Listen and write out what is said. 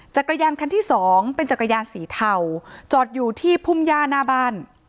จักรยานคันที่สองเป็นจักรยานสีเทาจอดอยู่ที่พุ่มย่าหน้าบ้าน